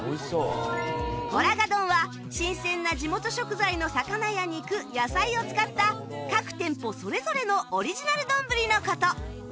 おらが丼は新鮮な地元食材の魚や肉野菜を使った各店舗それぞれのオリジナルどんぶりの事